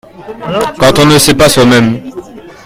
Quand on ne sait pas soi-même.